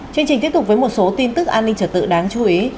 chương trình tiếp tục với một số tin tức an ninh trở tự đáng chú ý